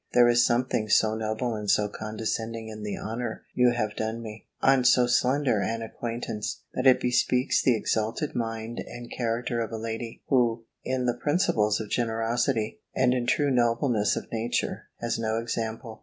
There is something so noble and so condescending in the honour you have done me, on so slender an acquaintance, that it bespeaks the exalted mind and character of a lady, who, in the principles of generosity, and in true nobleness of nature, has no example.